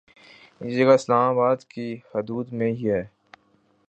یہ جگہ اسلام آباد کی حدود میں ہی ہے